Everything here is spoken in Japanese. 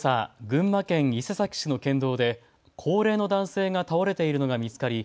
群馬県伊勢崎市の県道で高齢の男性が倒れているのが見つかり